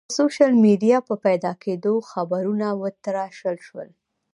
د سوشل میډیا په پیدا کېدو خبرونه وتراشل شول.